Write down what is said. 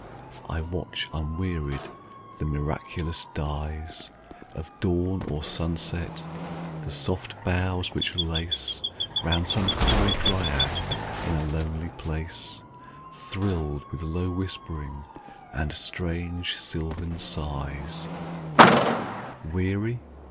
I watch, unwearied, the miraculous dyesOf dawn or sunset; the soft boughs which laceRound some coy dryad in a lonely place, Thrilled with low whispering and strange sylvan sighs:Weary?